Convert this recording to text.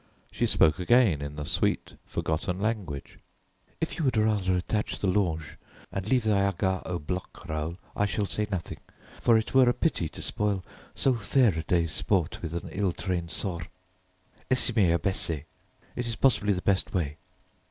She spoke again in the sweet forgotten language: "If you would rather attach the longe and leave thy hagard au bloc, Raoul, I shall say nothing; for it were a pity to spoil so fair a day's sport with an ill trained sors. Essimer abaisser, it is possibly the best way.